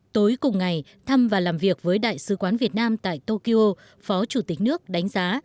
tối cùng ngày thăm và làm việc với đại sứ quán việt nam tại tokyo phó chủ tịch nước đánh giá